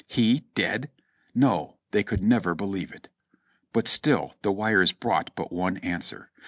He dead? No, they could never believe it. But still the wires brought but one answer.